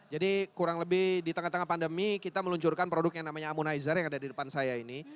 jadi kurang lebih di tengah tengah pandemi kita meluncurkan produk yang namanya ammonizer yang ada di depan saya ini